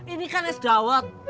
ini kan es dawet